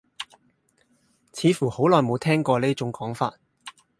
似乎好耐冇聽過呢種講法